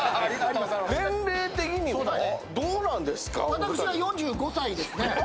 私は４５歳ですね。